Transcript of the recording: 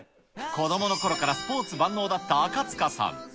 子どものころからスポーツ万能だった赤塚さん。